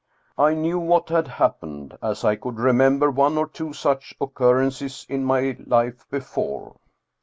I knew what had happened, as I could remember one or two such occurrences in my life before.